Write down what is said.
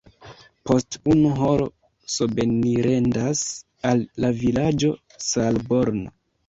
Post unu horo sobenirendas al la vilaĝo Saalborn.